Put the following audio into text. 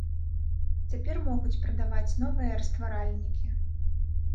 Цяпер могуць прадаваць новыя растваральнікі.